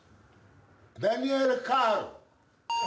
ダニエル・カール。